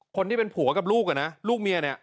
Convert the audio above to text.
คนที่เป็นผัวกับลูกน่ะลูกเมีย